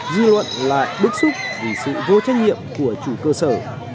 dư luận lại bức xúc vì sự vô trách nhiệm của chủ cơ sở